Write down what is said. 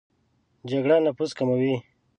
جګړه نفوس کموي